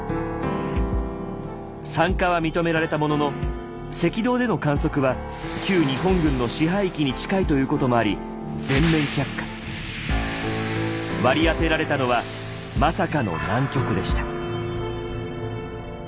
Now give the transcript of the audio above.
参加は認められたものの赤道での観測は旧日本軍の支配域に近いということもあり割り当てられたのはまさかの南極でした。